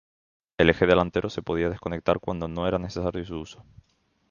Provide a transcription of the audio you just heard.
El eje delantero se podía desconectar cuando no era necesario su uso.